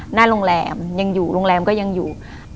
หน้าโรงแรมยังอยู่โรงแรมก็ยังอยู่